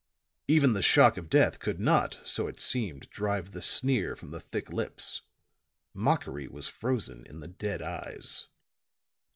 Even the shock of death could not, so it seemed, drive the sneer from the thick lips; mockery was frozen in the dead eyes.